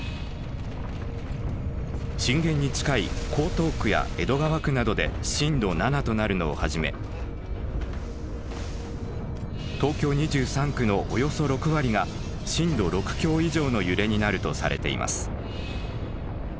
震源に近い江東区や江戸川区などで震度７となるのをはじめ東京２３区のおよそ６割が震度６強以上の揺れになるとされています。